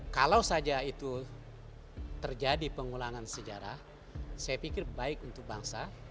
kalau saja itu terjadi pengulangan sejarah saya pikir baik untuk bangsa